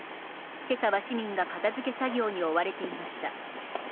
今朝は市民が片付け作業に追われていました。